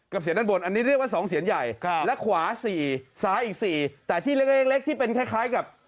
เสียนด้านบนอันนี้เรียกว่าสองเสียนใหญ่และขวา๔ซ้ายอีก๔แต่ที่เล็กเล็กที่เป็นคล้ายกับ